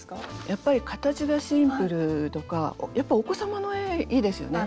やっぱり形がシンプルとかやっぱお子さまの絵いいですよね。